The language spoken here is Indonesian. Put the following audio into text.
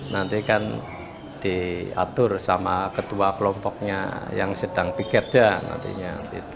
nanti kan diatur sama kedua kelompoknya yang sedang piket ya